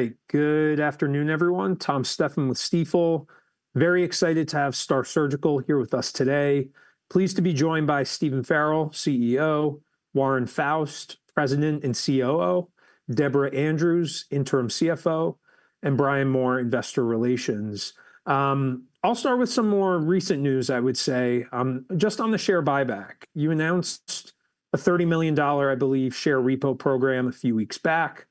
All right. Good afternoon, everyone. Tom Stefan with Stifel. Very excited to have STAAR Surgical here with us today. Pleased to be joined by Stephen Farrell, CEO, Warren Foust, President and COO, Deborah Andrews, Interim CFO, and Brian Moore, Investor Relations. I'll start with some more recent news, I would say, just on the share buyback. You announced a $30 million, I believe, share repo program a few weeks back.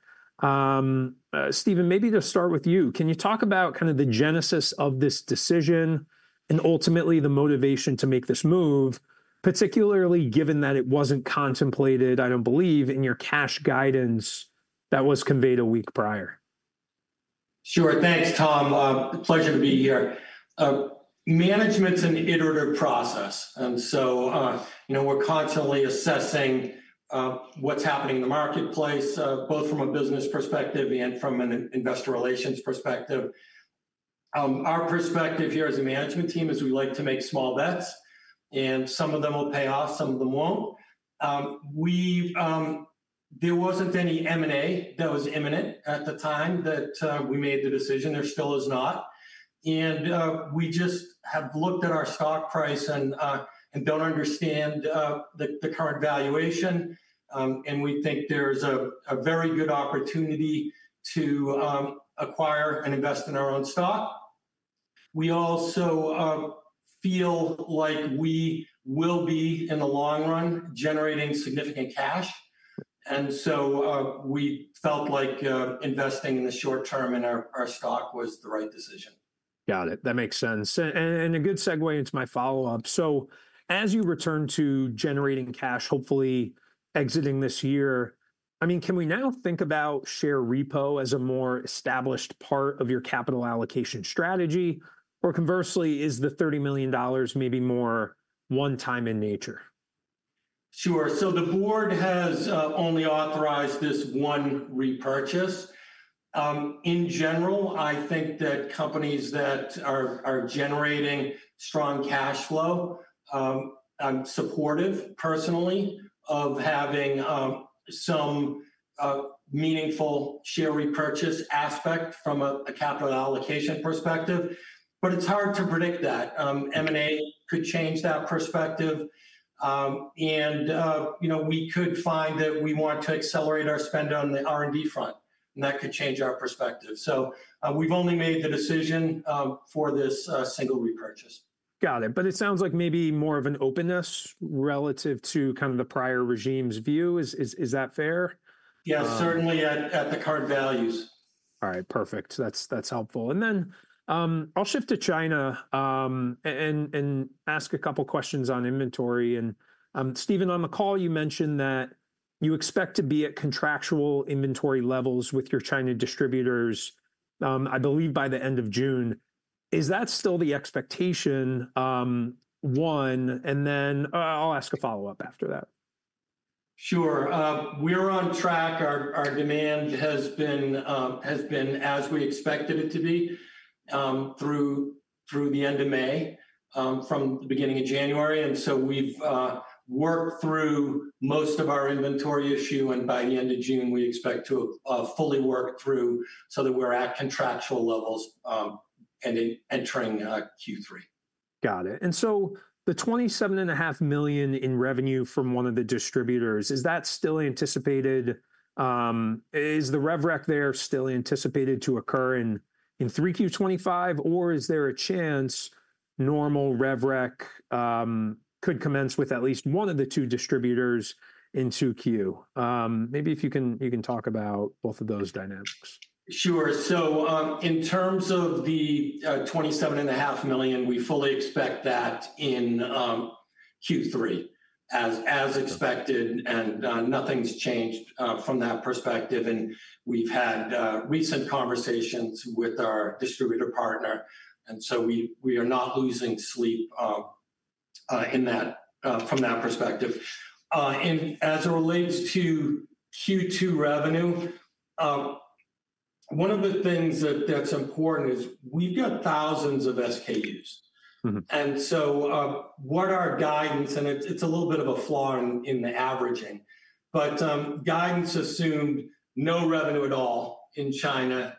Stephen, maybe to start with you, can you talk about kind of the genesis of this decision and ultimately the motivation to make this move, particularly given that it was not contemplated, I do not believe, in your cash guidance that was conveyed a week prior? Sure. Thanks, Tom. Pleasure to be here. Management's an iterative process. So, you know, we're constantly assessing what's happening in the marketplace, both from a business perspective and from an investor relations perspective. Our perspective here as a management team is we like to make small bets, and some of them will pay off, some of them won't. There wasn't any M&A that was imminent at the time that we made the decision. There still is not. We just have looked at our stock price and don't understand the current valuation. We think there's a very good opportunity to acquire and invest in our own stock. We also feel like we will be, in the long run, generating significant cash. We felt like investing in the short term in our stock was the right decision. Got it. That makes sense. A good segue into my follow-up. As you return to generating cash, hopefully exiting this year, I mean, can we now think about share repo as a more established part of your capital allocation strategy? Or conversely, is the $30 million maybe more one-time in nature? Sure. The board has only authorized this one repurchase. In general, I think that companies that are generating strong cash flow, I'm supportive personally of having some meaningful share repurchase aspect from a capital allocation perspective. It is hard to predict that. M&A could change that perspective. You know, we could find that we want to accelerate our spend on the R&D front, and that could change our perspective. We have only made the decision for this single repurchase. Got it. But it sounds like maybe more of an openness relative to kind of the prior regime's view. Is that fair? Yeah, certainly at the current values. All right. Perfect. That's helpful. I will shift to China and ask a couple of questions on inventory. Stephen, on the call, you mentioned that you expect to be at contractual inventory levels with your China distributors, I believe, by the end of June. Is that still the expectation? One. I will ask a follow-up after that. Sure. We're on track. Our demand has been as we expected it to be through the end of May, from the beginning of January. We have worked through most of our inventory issue. By the end of June, we expect to fully work through so that we're at contractual levels and entering Q3. Got it. And so the $27.5 million in revenue from one of the distributors, is that still anticipated? Is the rev rec there still anticipated to occur in 3Q 2025? Or is there a chance normal rev rec could commence with at least one of the two distributors in 2Q? Maybe if you can talk about both of those dynamics. Sure. In terms of the $27.5 million, we fully expect that in Q3, as expected. Nothing's changed from that perspective. We've had recent conversations with our distributor partner, and we are not losing sleep from that perspective. As it relates to Q2 revenue, one of the things that's important is we've got thousands of SKUs. What our guidance, and it's a little bit of a flaw in the averaging, but guidance assumed no revenue at all in China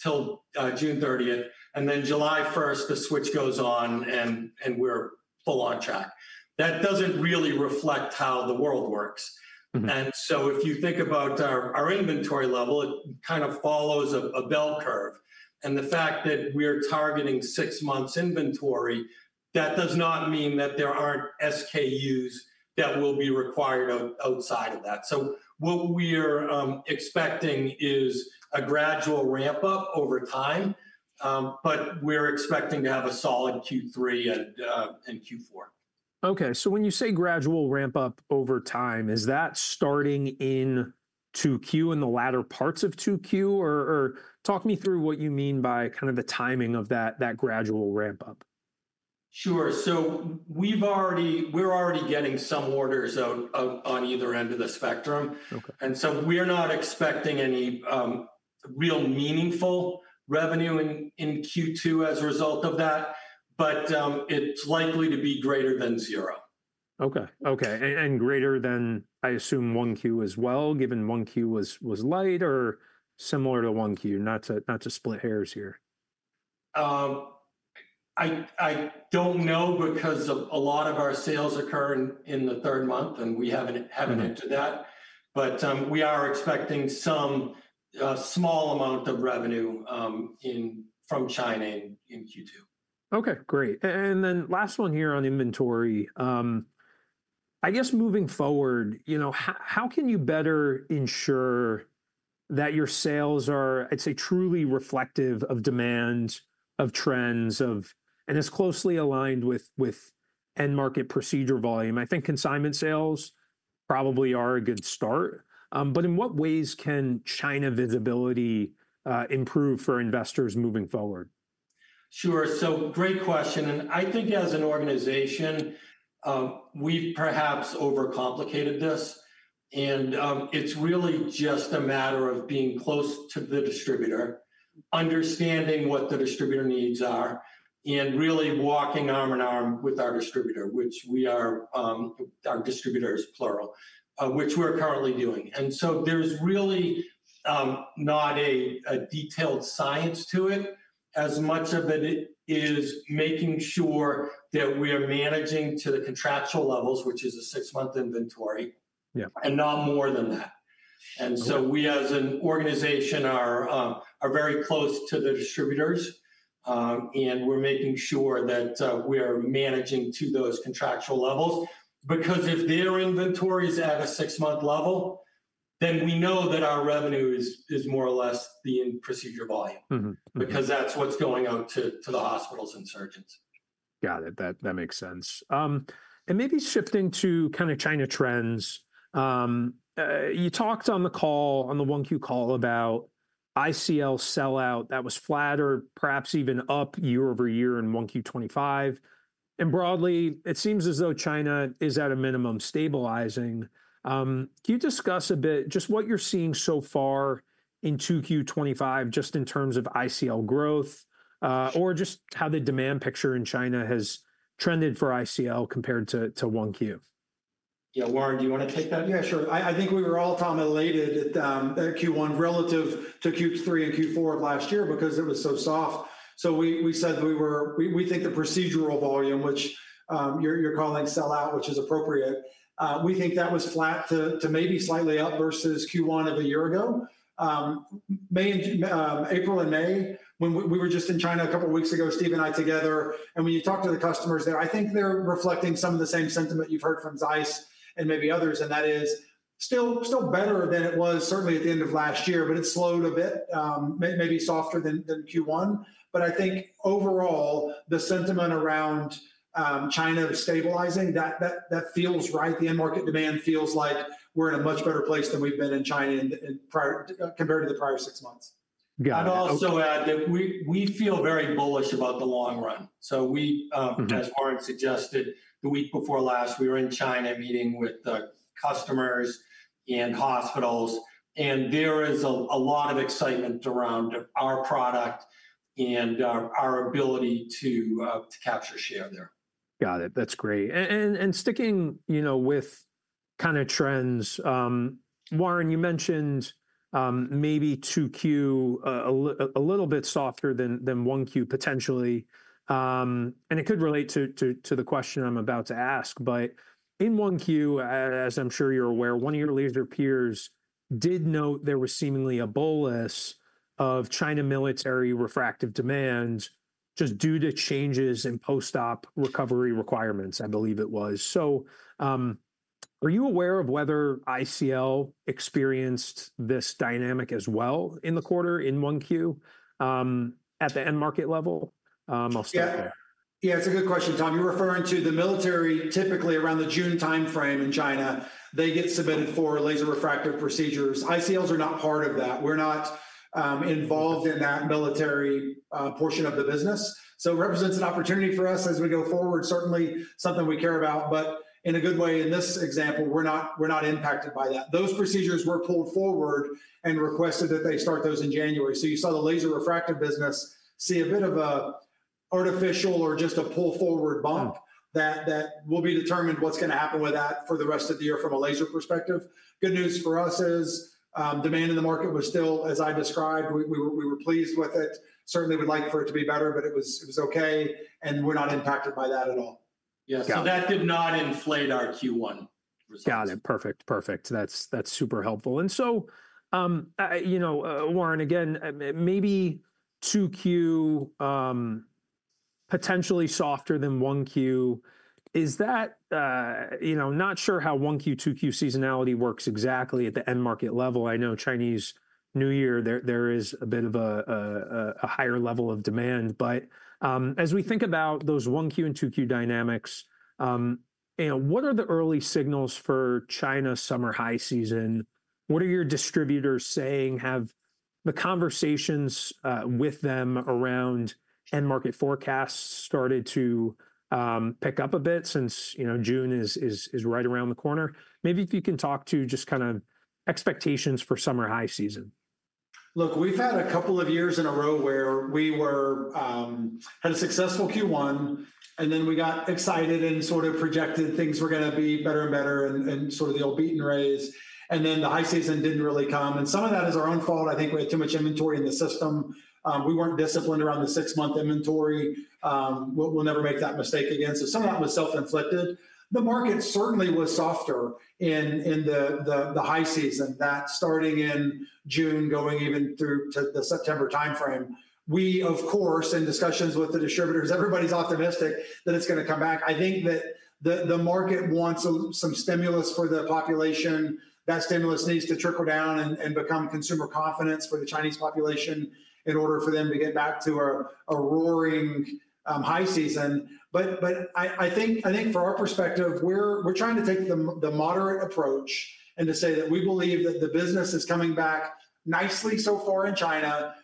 till June 30th. Then July 1st, the switch goes on, and we're full on track. That doesn't really reflect how the world works. If you think about our inventory level, it kind of follows a bell curve. The fact that we're targeting 6 months inventory does not mean that there aren't SKUs that will be required outside of that. What we're expecting is a gradual ramp-up over time. But we're expecting to have a solid Q3 and Q4. Okay. So, when you say gradual ramp up over time, is that starting in 2Q and the latter parts of 2Q? Or talk me through what you mean by kind of the timing of that gradual ramp up. Sure. We are already getting some orders on either end of the spectrum. We are not expecting any real meaningful revenue in Q2 as a result of that. It is likely to be greater than zero. Okay. Okay. And greater than, I assume, 1Q as well, given 1Q was light, or similar to 1Q, not to split hairs here. I don't know because a lot of our sales occur in the third month, and we haven't entered that. We are expecting some small amount of revenue from China in Q2. Okay. Great. And then last one here on inventory. I guess moving forward, you know, how can you better ensure that your sales are, I'd say, truly reflective of demand, of trends, and as closely aligned with end market procedure volume? I think consignment sales probably are a good start. In what ways can China visibility improve for investors moving forward? Sure. Great question. I think as an organization, we've perhaps overcomplicated this. It's really just a matter of being close to the distributor, understanding what the distributor needs are, and really walking arm in arm with our distributor, which we are, our distributors, which we're currently doing. There's really not a detailed science to it. As much of it is making sure that we are managing to the contractual levels, which is a 6-month inventory, and not more than that. We, as an organization, are very close to the distributors. We're making sure that we are managing to those contractual levels. Because if their inventory is at a 6-month level, then we know that our revenue is more or less the procedure volume because that's what's going out to the hospitals and surgeons. Got it. That makes sense. Maybe shifting to kind of China trends. You talked on the call, on the 1Q call, about ICL sellout. That was flat or perhaps even up year-over-year in 1Q 2025. Broadly, it seems as though China is at a minimum stabilizing. Can you discuss a bit just what you're seeing so far in 2Q 2025, just in terms of ICL growth, or just how the demand picture in China has trended for ICL compared to 1Q? Yeah, Warren, do you want to take that? Yeah, sure. I think we were all, Tom, elated at Q1 relative to Q3 and Q4 of last year because it was so soft. We said we think the procedural volume, which you're calling sellout, which is appropriate, we think that was flat to maybe slightly up versus Q1 of a year ago, April and May, when we were just in China a couple of weeks ago, Steve and I together. When you talk to the customers there, I think they're reflecting some of the same sentiment you've heard from ZEISS and maybe others. That is still better than it was certainly at the end of last year, but it slowed a bit, maybe softer than Q1. I think overall, the sentiment around China stabilizing, that feels right. The end market demand feels like we're in a much better place than we've been in China compared to the prior 6 months. Got it. I'd also add that we feel very bullish about the long run. As Warren suggested the week before last, we were in China meeting with customers and hospitals. There is a lot of excitement around our product and our ability to capture share there. Got it. That's great. And sticking, you know, with kind of trends, Warren, you mentioned maybe 2Q a little bit softer than 1Q potentially. And it could relate to the question I'm about to ask. But in 1Q, as I'm sure you're aware, one of your later peers did note there was seemingly a bolus of China military refractive demand just due to changes in post-op recovery requirements, I believe it was. So, are you aware of whether ICL experienced this dynamic as well in the quarter in 1Q at the end market level? I'll start there. Yeah, it's a good question, Tom. You're referring to the military, typically around the June timeframe in China, they get submitted for laser refractive procedures. ICLs are not part of that. We're not involved in that military portion of the business. It represents an opportunity for us as we go forward, certainly something we care about, but in a good way. In this example, we're not impacted by that. Those procedures were pulled forward and requested that they start those in January. You saw the laser refractive business see a bit of an artificial or just a pull-forward bump that will be determined what's going to happen with that for the rest of the year from a laser perspective. Good news for us is demand in the market was still, as I described, we were pleased with it. Certainly, we'd like for it to be better, but it was okay. We are not impacted by that at all. Yes. That did not inflate our Q1 results. Got it. Perfect. Perfect. That's super helpful. You know, Warren, again, maybe Q2 potentially softer than 1Q. Is that, you know, not sure how 1Q, 2Q seasonality works exactly at the end market level. I know Chinese New Year, there is a bit of a higher level of demand. As we think about those 1Q and 2Q dynamics, you know, what are the early signals for China summer high season? What are your distributors saying? Have the conversations with them around end market forecasts started to pick up a bit since, you know, June is right around the corner? Maybe if you can talk to just kind of expectations for summer high season. Look, we've had a couple of years in a row where we had a successful Q1, and then we got excited and sort of projected things were going to be better and better and sort of the old beaten ways. The high season didn't really come. Some of that is our own fault. I think we had too much inventory in the system. We weren't disciplined around the 6-month inventory. We'll never make that mistake again. Some of that was self-inflicted. The market certainly was softer in the high season. That starting in June, going even through to the September timeframe, we, of course, in discussions with the distributors, everybody's optimistic that it's going to come back. I think that the market wants some stimulus for the population. That stimulus needs to trickle down and become consumer confidence for the Chinese population in order for them to get back to a roaring high season. I think for our perspective, we're trying to take the moderate approach and to say that we believe that the business is coming back nicely so far in China.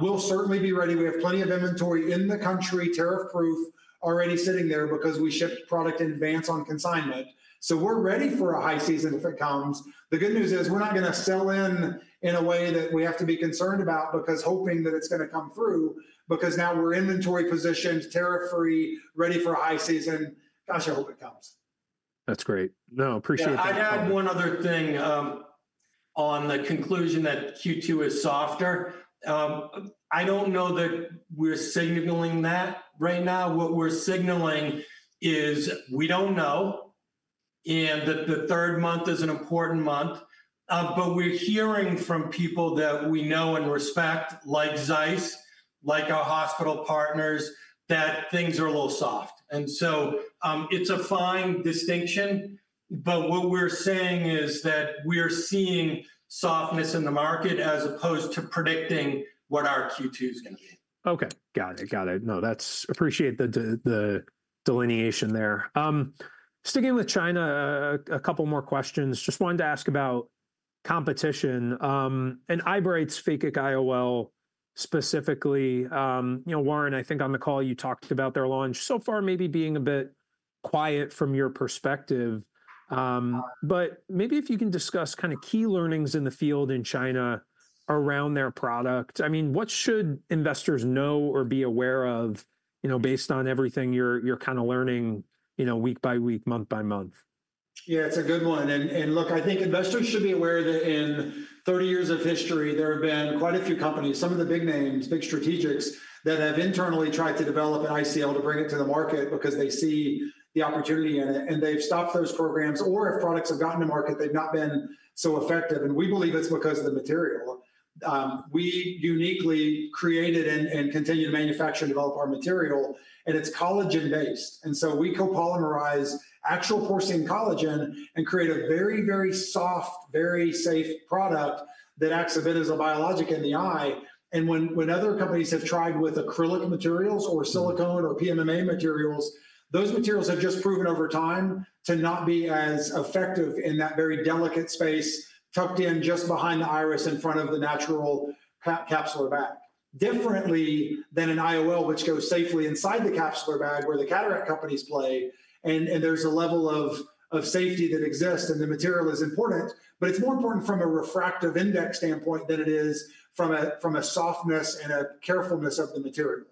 We'll certainly be ready. We have plenty of inventory in the country, tariff-proof already sitting there because we ship product in advance on consignment. We're ready for a high season if it comes. The good news is we're not going to sell in a way that we have to be concerned about because hoping that it's going to come through because now we're inventory positioned, tariff-free, ready for a high season. Gosh, I hope it comes. That's great. No, appreciate that. I'd add one other thing on the conclusion that Q2 is softer. I don't know that we're signaling that right now. What we're signaling is we don't know. That the third month is an important month. We're hearing from people that we know and respect, like ZEISS, like our hospital partners, that things are a little soft. It's a fine distinction. What we're saying is that we are seeing softness in the market as opposed to predicting what our Q2 is going to be. Okay. Got it. Got it. No, that's appreciate the delineation there. Sticking with China, a couple more questions. Just wanted to ask about competition. And Eyebright's FACEC IOL specifically, you know, Warren, I think on the call you talked about their launch so far maybe being a bit quiet from your perspective. But maybe if you can discuss kind of key learnings in the field in China around their product. I mean, what should investors know or be aware of, you know, based on everything you're kind of learning, you know, week-by-week, month-by-month? Yeah, it's a good one. Look, I think investors should be aware that in 30 years of history, there have been quite a few companies, some of the big names, big strategics that have internally tried to develop an ICL to bring it to the market because they see the opportunity in it. They've stopped those programs. If products have gotten to market, they've not been so effective. We believe it's because of the material. We uniquely created and continue to manufacture and develop our material. It's collagen-based. We co-polymerize actual porcine collagen and create a very, very soft, very safe product that acts a bit as a biologic in the eye. When other companies have tried with acrylic materials or silicone or PMMA materials, those materials have just proven over time to not be as effective in that very delicate space tucked in just behind the iris in front of the natural capsular bag. Differently than an IOL, which goes safely inside the capsular bag where the cataract companies play. There is a level of safety that exists. The material is important, but it is more important from a refractive index standpoint than it is from a softness and a carefulness of the material.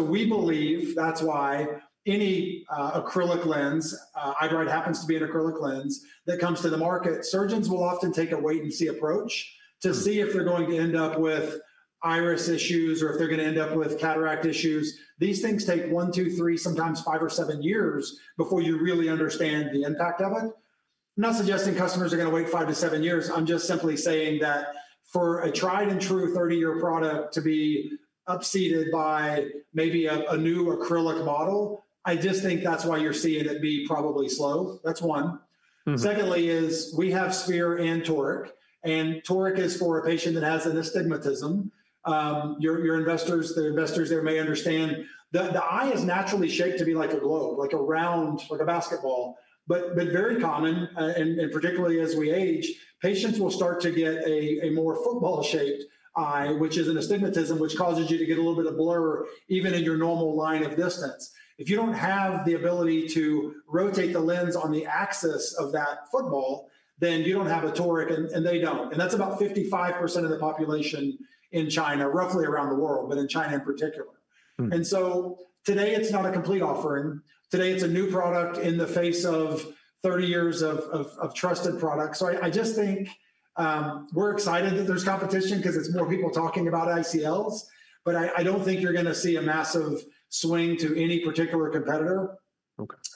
We believe that is why any acrylic lens, Eyebright happens to be an acrylic lens that comes to the market, surgeons will often take a wait-and-see approach to see if they are going to end up with iris issues or if they are going to end up with cataract issues. These things take 1, 2, 3, sometimes 5 or 7years before you really understand the impact of it. I'm not suggesting customers are going to wait five to seven years. I'm just simply saying that for a tried-and-true 30-year product to be upseated by maybe a new acrylic model, I just think that's why you're seeing it be probably slow. That's one. Secondly is we have Sphere and Toric. Toric is for a patient that has an astigmatism. Your investors, the investors there may understand the eye is naturally shaped to be like a globe, like a round, like a basketball. Very common, and particularly as we age, patients will start to get a more football-shaped eye, which is an astigmatism which causes you to get a little bit of blur even in your normal line of distance. If you do not have the ability to rotate the lens on the axis of that football, then you do not have a Toric and they do not. That is about 55% of the population in China, roughly around the world, but in China in particular. Today it is not a complete offering. Today it is a new product in the face of 30 years of trusted products. I just think we are excited that there is competition because it is more people talking about ICLs. I do not think you are going to see a massive swing to any particular competitor.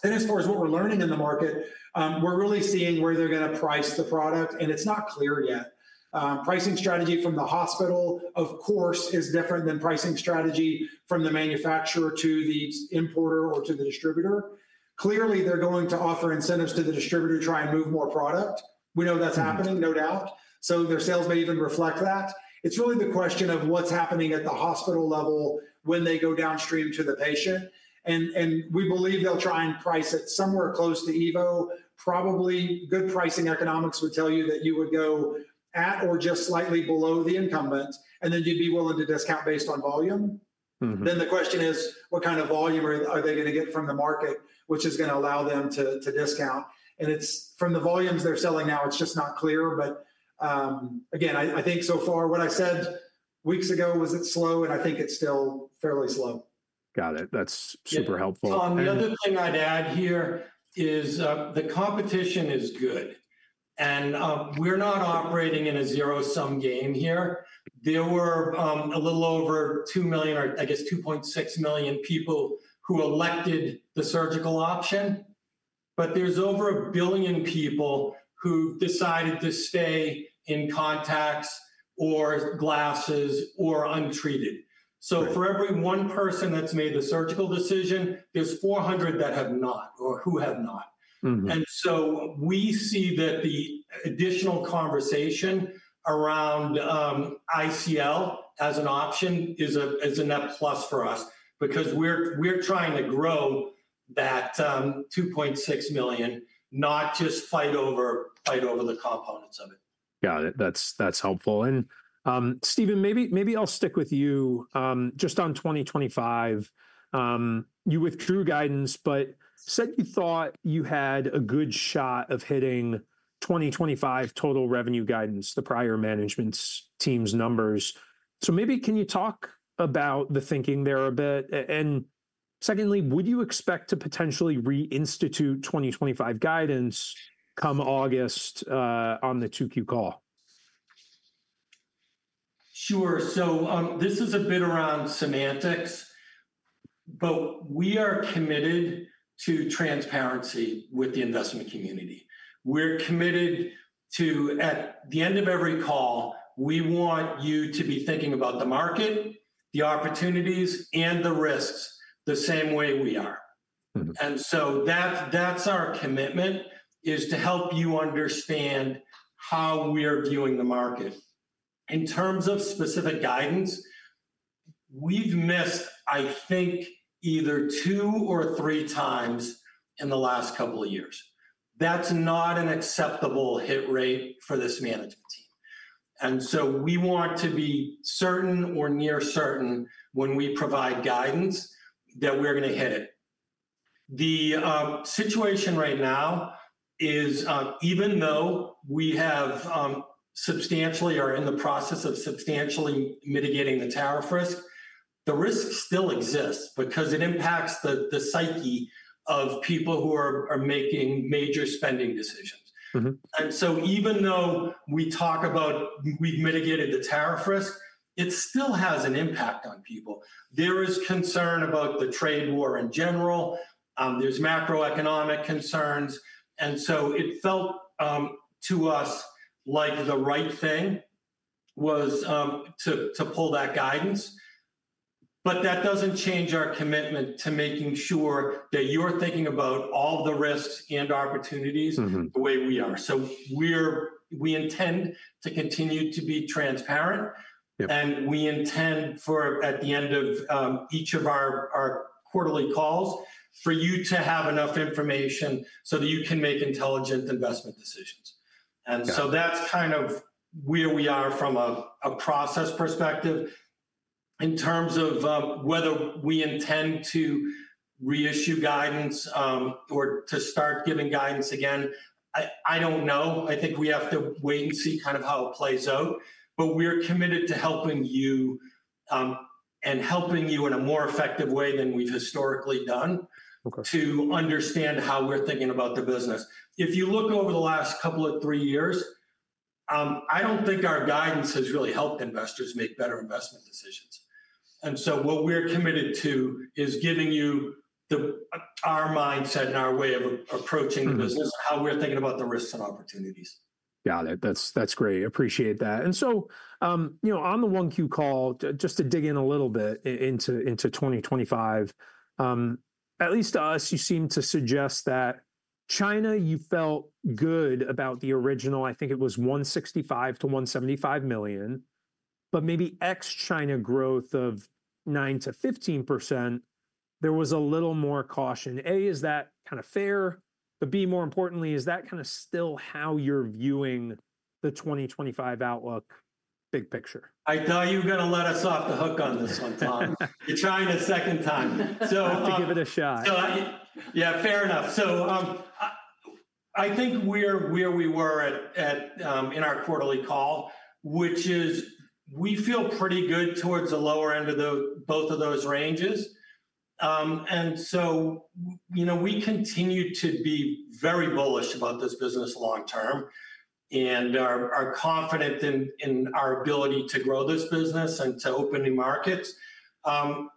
As far as what we are learning in the market, we are really seeing where they are going to price the product. It is not clear yet. Pricing strategy from the hospital, of course, is different than pricing strategy from the manufacturer to the importer or to the distributor. Clearly, they're going to offer incentives to the distributor, try and move more product. We know that's happening, no doubt. Their sales may even reflect that. It's really the question of what's happening at the hospital level when they go downstream to the patient. We believe they'll try and price it somewhere close to EVO. Probably good pricing economics would tell you that you would go at or just slightly below the incumbent, and then you'd be willing to discount based on volume. The question is, what kind of volume are they going to get from the market, which is going to allow them to discount? From the volumes they're selling now, it's just not clear. I think so far what I said weeks ago was it's slow, and I think it's still fairly slow. Got it. That's super helpful. Tom, the other thing I'd add here is the competition is good. We're not operating in a zero-sum game here. There were a little over 2 million or I guess 2.6 million people who elected the surgical option. There are over a billion people who've decided to stay in contacts or glasses or untreated. For every one person that's made the surgical decision, there are 400 that have not or who have not. We see that the additional conversation around ICL as an option is a net plus for us because we're trying to grow that 2.6 million, not just fight over the components of it. Got it. That's helpful. Stephen, maybe I'll stick with you. Just on 2025, you withdrew guidance, but said you thought you had a good shot of hitting 2025 total revenue guidance, the prior management team's numbers. Maybe can you talk about the thinking there a bit? Secondly, would you expect to potentially reinstitute 2025 guidance come August on the 2Q call? Sure. This is a bit around semantics, but we are committed to transparency with the investment community. We're committed to, at the end of every call, we want you to be thinking about the market, the opportunities, and the risks the same way we are. That is our commitment, to help you understand how we are viewing the market. In terms of specific guidance, we've missed, I think, either two or three times in the last couple of years. That is not an acceptable hit rate for this management team. We want to be certain or near certain when we provide guidance that we're going to hit it. The situation right now is, even though we have substantially or are in the process of substantially mitigating the tariff risk, the risk still exists because it impacts the psyche of people who are making major spending decisions. Even though we talk about we've mitigated the tariff risk, it still has an impact on people. There is concern about the trade war in general. There are macroeconomic concerns. It felt to us like the right thing was to pull that guidance. That does not change our commitment to making sure that you're thinking about all the risks and opportunities the way we are. We intend to continue to be transparent. We intend for at the end of each of our quarterly calls for you to have enough information so that you can make intelligent investment decisions. That is kind of where we are from a process perspective. In terms of whether we intend to reissue guidance or to start giving guidance again, I do not know. I think we have to wait and see kind of how it plays out. We're committed to helping you and helping you in a more effective way than we've historically done to understand how we're thinking about the business. If you look over the last couple of three years, I don't think our guidance has really helped investors make better investment decisions. What we're committed to is giving you our mindset and our way of approaching the business and how we're thinking about the risks and opportunities. Got it. That's great. Appreciate that. You know, on the 1Q call, just to dig in a little bit into 2025, at least to us, you seem to suggest that China, you felt good about the original, I think it was $165 million-$175 million, but maybe ex-China growth of 9%-15%, there was a little more caution. A, is that kind of fair? More importantly, is that kind of still how you're viewing the 2025 outlook big picture? I thought you were going to let us off the hook on this one, Tom. You're trying a second time. To give it a shot. Yeah, fair enough. I think we're where we were in our quarterly call, which is we feel pretty good towards the lower end of both of those ranges. You know, we continue to be very bullish about this business long term and are confident in our ability to grow this business and to open new markets. You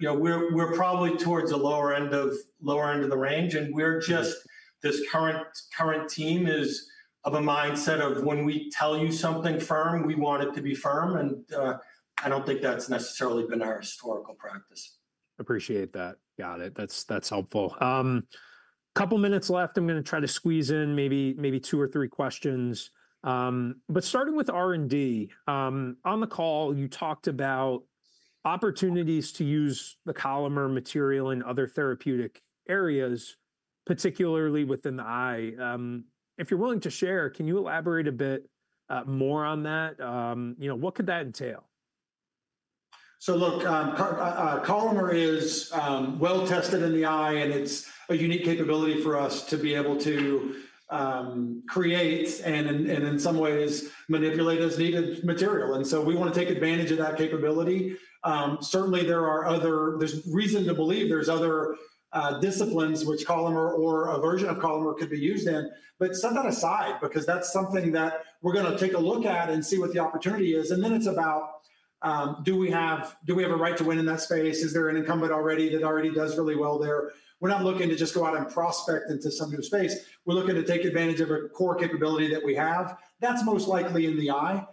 know, we're probably towards the lower end of the range. This current team is of a mindset of when we tell you something firm, we want it to be firm. I don't think that's necessarily been our historical practice. Appreciate that. Got it. That's helpful. A couple of minutes left. I'm going to try to squeeze in maybe two or three questions. Starting with R&D, on the call, you talked about opportunities to use the Collamer material in other therapeutic areas, particularly within the eye. If you're willing to share, can you elaborate a bit more on that? You know, what could that entail? Look, Collamer is well tested in the eye. It is a unique capability for us to be able to create and in some ways manipulate as needed material. We want to take advantage of that capability. Certainly, there are other reasons to believe there are other disciplines which Collamer or a version of Collamer could be used in. Set that aside because that is something that we are going to take a look at and see what the opportunity is. Then it is about do we have a right to win in that space? Is there an incumbent already that already does really well there? We are not looking to just go out and prospect into some new space. We are looking to take advantage of a core capability that we have. That is most likely in the eye.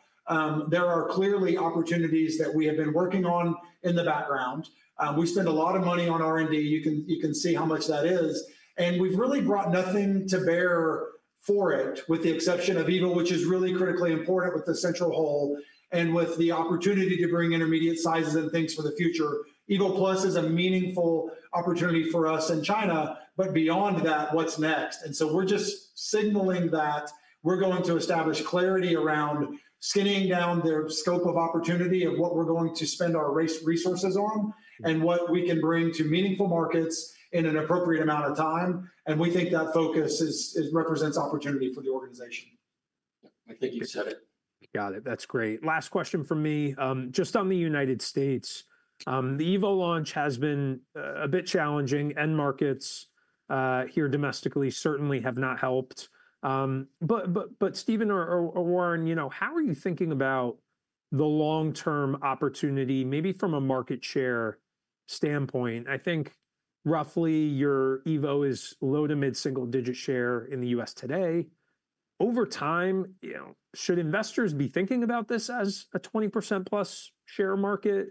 There are clearly opportunities that we have been working on in the background. We spend a lot of money on R&D. You can see how much that is. We have really brought nothing to bear for it with the exception of EVO, which is really critically important with the central hole and with the opportunity to bring intermediate sizes and things for the future. EVO+ is a meaningful opportunity for us in China. Beyond that, what's next? We are just signaling that we are going to establish clarity around skinning down the scope of opportunity of what we are going to spend our resources on and what we can bring to meaningful markets in an appropriate amount of time. We think that focus represents opportunity for the organization. I think you said it. Got it. That's great. Last question from me. Just on the United States, the EVO launch has been a bit challenging. End markets here domestically certainly have not helped. But Stephen or Warren, you know, how are you thinking about the long-term opportunity maybe from a market share standpoint? I think roughly your EVO is low to mid-single digit share in the U.S. today. Over time, should investors be thinking about this as a 20%+ share market,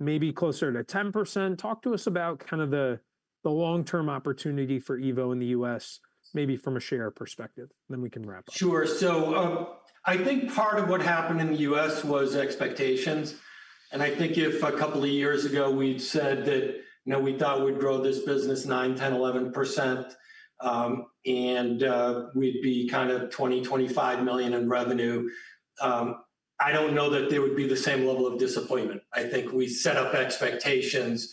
maybe closer to 10%? Talk to us about kind of the long-term opportunity for EVO in the U.S., maybe from a share perspective. Then we can wrap up. Sure. I think part of what happened in the U.S. was expectations. I think if a couple of years ago we'd said that, you know, we thought we'd grow this business 9%, 10%, 11%, and we'd be kind of $20 million-$25 million in revenue, I don't know that there would be the same level of disappointment. I think we set up expectations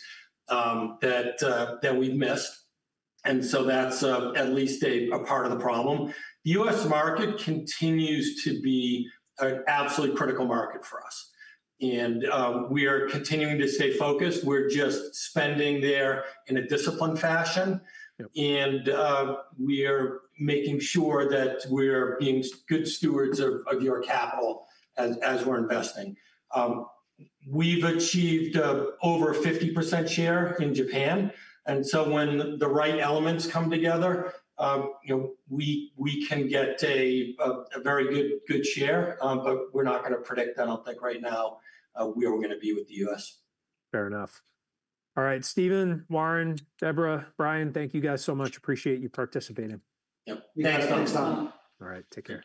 that we've missed. That's at least a part of the problem. The U.S. market continues to be an absolutely critical market for us. We are continuing to stay focused. We're just spending there in a disciplined fashion. We are making sure that we are being good stewards of your capital as we're investing. We've achieved over 50% share in Japan. When the right elements come together, you know, we can get a very good share. We're not going to predict that. I don't think right now we are going to be with the U.S. Fair enough. All right, Stephen, Warren, Deborah, Brian, thank you guys so much. Appreciate you participating. Thanks, Tom. All right, take care.